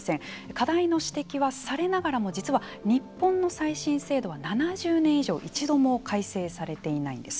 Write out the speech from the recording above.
課題の指摘はされながらも実は日本の再審制度は７０年以上一度も改正されていないんです。